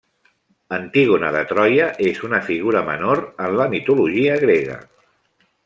Antígona de Troia és una figura menor en la mitologia grega.